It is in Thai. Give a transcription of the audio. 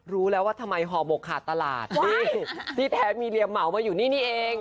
รู้แล้วว่าทำไมห่อหมกขาดตลาดนี่ที่แท้มีเรียมเหมามาอยู่นี่นี่เอง